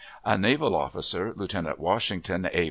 A naval officer, Lieutenant Washington A.